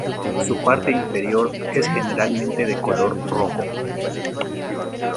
Su parte inferior es generalmente de color rojo.